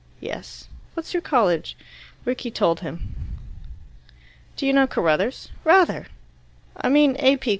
"Yes." "What's your college?" Rickie told him. "Do you know Carruthers?" "Rather!" "I mean A. P.